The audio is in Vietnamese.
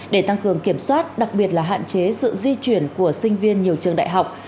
để tăng cường kiểm soát đặc biệt là hạn chế sự di chuyển của sinh viên nhiều trường đại học